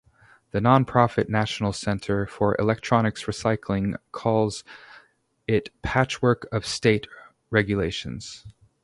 The non-profit National Center for Electronics Recycling calls it "patchwork of state regulations".